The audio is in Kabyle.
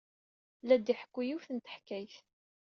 La d-iḥekku yiwet n teḥkayt.